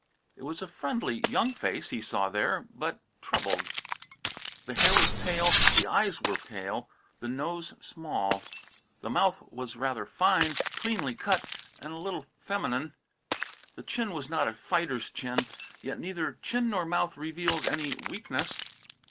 It was a friendly young face he saw there, but troubled. The hair was pale, the eyes were pale, the nose small. The mouth was rather fine, cleanly cut and a little feminine. The chin was not a fighter's chin, yet neither chin nor mouth revealed any weakness.